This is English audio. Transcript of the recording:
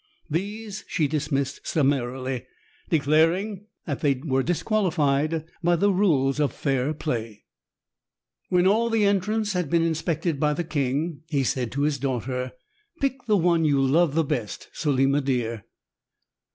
These she dismissed summarily, declaring that they were disqualified by the rules of fair play. When all the entrants had been inspected by the king, he said to his daughter: "Pick the one you love the best, Solima dear."